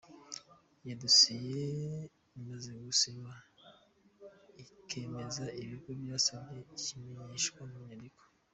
Iyo idosiye imaze gusuzumwa ikemerwa, ikigo cyasabye kibimenyeshwa mu nyandiko.